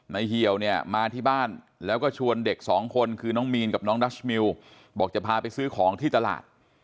เหี่ยวเนี่ยมาที่บ้านแล้วก็ชวนเด็กสองคนคือน้องมีนกับน้องดัชมิวบอกจะพาไปซื้อของที่ตลาด